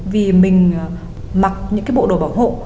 vì mình mặc những cái bộ đồ bảo hộ